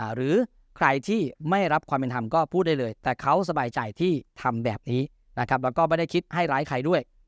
หรือใครที่ไม่รับความเป็นธรรมก็พูดได้เลยแต่เขาสบายใจที่ทำแบบนี้นะครับแล้วก็ไม่ได้คิดให้ร้ายใครด้วย